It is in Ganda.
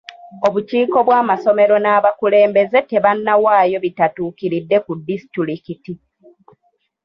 Obukiiko bw'amasomero n'abakulembeze tebannawaayo bitatuukiridde ku disitulikiti.